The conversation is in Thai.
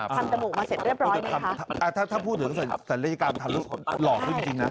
จมูกมาเสร็จเรียบร้อยถ้าพูดถึงศัลยกรรมทะลุหล่อขึ้นจริงนะ